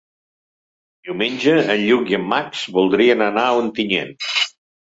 Diumenge en Lluc i en Max voldrien anar a Ontinyent.